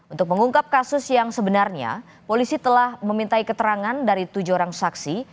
untuk mengungkap kasus yang sebenarnya polisi telah memintai keterangan dari tujuh orang saksi